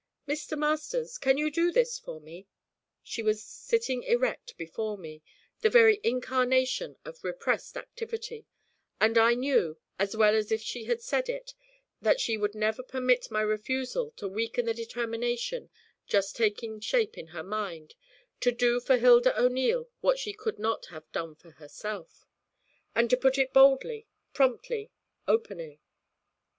'Mr. Masters, can you do this for me?' She was sitting erect before me, the very incarnation of repressed activity, and I knew, as well as if she had said it, that she would never permit my refusal to weaken the determination just taking shape in her mind to do for Hilda O'Neil what she could not have done for herself, and to do it boldly, promptly, openly.